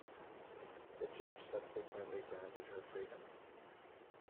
The judge subsequently granted her freedom.